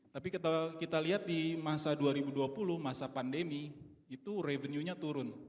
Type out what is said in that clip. tapi kita lihat di masa dua ribu dua puluh masa pandemi itu revenue nya turun